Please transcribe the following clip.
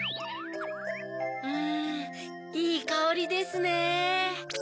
うんいいかおりですね。